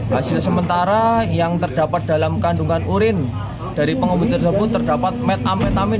hasil sementara yang terdapat dalam kandungan urin dari pengemudi tersebut terdapat metametamin